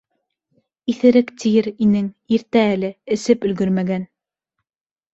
Иҫерек тиер инең - иртә әле, эсеп өлгөрмәгән.